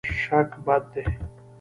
شک بد دی.